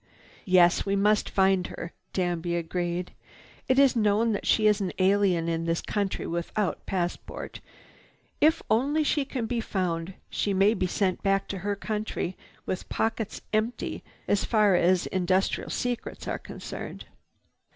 "Yes, we must find her," Danby agreed. "It is known that she is an alien in this country without passport. If only she can be found, she may be sent back to her own country with pockets empty as far as industrial secrets are concerned."